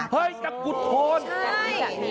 เฮ้ยตะกรุดโทนใช่